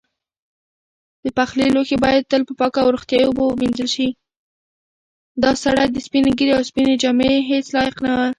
دا سړی د سپینې ږیرې او سپینې جامې هیڅ لایق نه و.